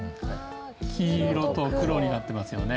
黄色と黒になってますよね。